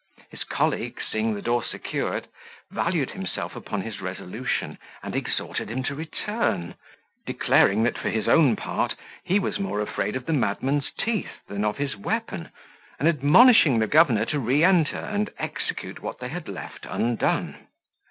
His colleague, seeing the door secured, valued himself upon his resolution, and exhorted him to return; declaring that, for his own part, he was more afraid of the madman's teeth than of his weapon, and admonishing the governor to re enter and execute what they had left undone.